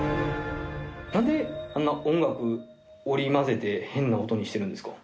なんであんな音楽織り交ぜて変な音にしてるんですか？